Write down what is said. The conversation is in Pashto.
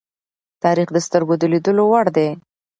تاریخ د سترگو د لیدلو وړ دی.